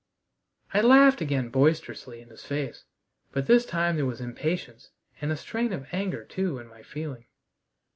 I laughed again boisterously in his face, but this time there was impatience and a strain of anger too, in my feeling.